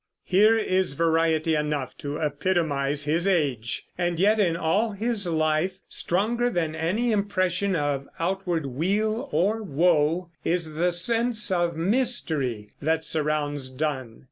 Here is variety enough to epitomize his age, and yet in all his life, stronger than any impression of outward weal or woe, is the sense of mystery that surrounds Donne.